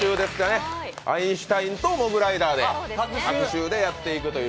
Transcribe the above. アインシュタインとモグライダーで隔週でやってくれるという。